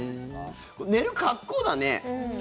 寝る格好だね。